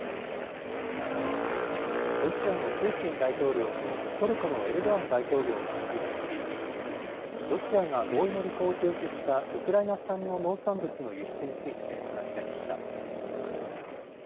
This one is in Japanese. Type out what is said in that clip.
ロシアのプーチン大統領とトルコのエルドアン大統領が会談し、ロシア合意の履行を停止したウクライナ産の農産物の輸出について話し合いました。